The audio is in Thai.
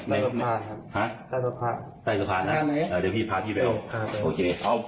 เดี๋ยวพาพี่ไปเอาโอเคคุยกันดีนะลูกผู้ชาย